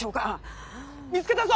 見つけたぞ！